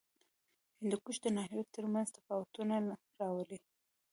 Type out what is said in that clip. هندوکش د ناحیو ترمنځ تفاوتونه راولي.